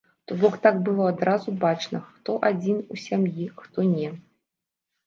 То бок так было адразу бачна, хто адзіны ў сям'і, хто не.